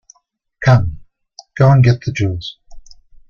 Come, go and get the jewels.